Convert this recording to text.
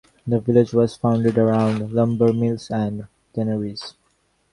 The village was founded around lumber mills and tanneries.